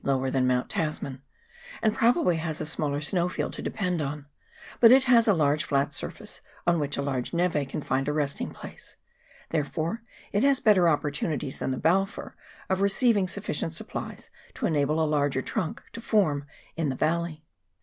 lower than Mount Tasman, and probably has a smaller snow fall to depend on, but it has a huge flat surface on which a large nete can find a resting place ; therefore it has better opportunities than the Balfour of receiving sufficient supplies to enable a larger trunk to form in the valley.